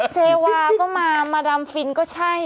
เซวาก็มามาดำฟินก็ใช่